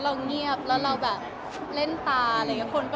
พอเราร้ายแล้วไม่กิดแล้วเอาเงียบ